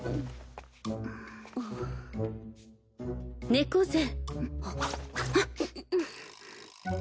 猫背！